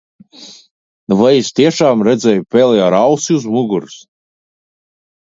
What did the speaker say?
Vai es tiešām redzēju peli ar ausi uz muguras?